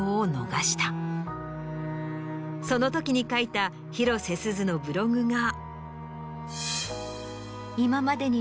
そのときに書いた広瀬すずのブログが。